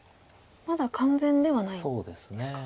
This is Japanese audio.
まだ完全ではないんですか。